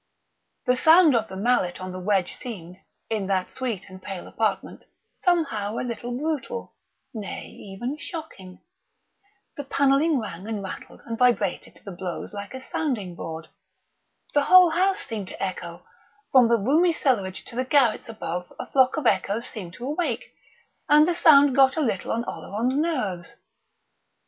The sound of the mallet on the wedge seemed, in that sweet and pale apartment, somehow a little brutal nay, even shocking. The panelling rang and rattled and vibrated to the blows like a sounding board. The whole house seemed to echo; from the roomy cellarage to the garrets above a flock of echoes seemed to awake; and the sound got a little on Oleron's nerves.